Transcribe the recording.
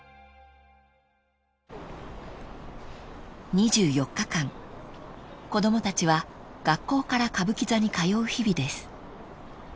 ［２４日間子供たちは学校から歌舞伎座に通う日々です］